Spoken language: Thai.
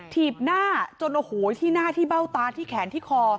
ถีบหน้าจนโอ้โหที่หน้าที่เบ้าตาที่แขนที่คอ